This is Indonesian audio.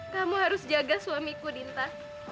kamu harus jaga suamiku dinta